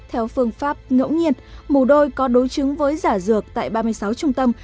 theo phương pháp ngẫu nhiên mù đôi có đối chứng với giả dược tại ba mươi sáu trung tâm